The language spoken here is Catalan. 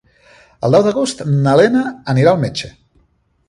El deu d'agost na Lena anirà al metge.